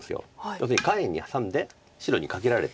要するに下辺にハサんで白にカケられて。